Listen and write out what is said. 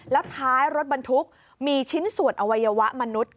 แล้วท้ายรถบรรทุกมีชิ้นส่วนอวัยวะมนุษย์